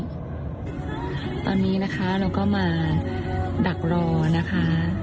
ตอนนี้นะคะเราก็มาดักรอนะคะ